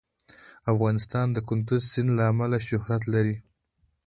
افغانستان د کندز سیند له امله شهرت لري.